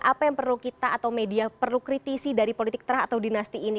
apa yang perlu kita atau media perlu kritisi dari politik terah atau dinasti ini